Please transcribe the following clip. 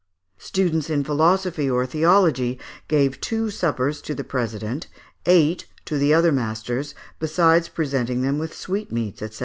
Students in philosophy or theology gave two suppers to the president, eight to the other masters, besides presenting them with sweetmeats, &c.